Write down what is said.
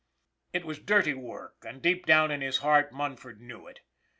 It was dirty work, and deep down in his heart Mun ford knew it.